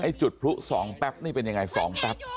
จุดพลุ๒แป๊บนี่เป็นยังไง๒แป๊บ